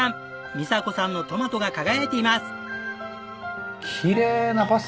みさ子さんのトマトが輝いています。